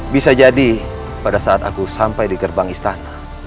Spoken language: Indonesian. bisa jadi pada saat aku sampai di gerbang istana